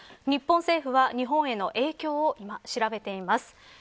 日本政府は日本への影響を調べています。